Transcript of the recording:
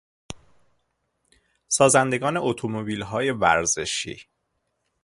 سازندگان اتومبیلهای ورزشی